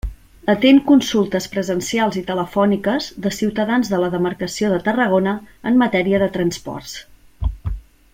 Atén consultes presencials i telefòniques de ciutadans de la demarcació de Tarragona en matèria de transports.